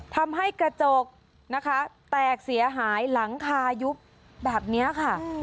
ทำให้กระจกนะคะแตกเสียหายหลังคายุบแบบนี้ค่ะ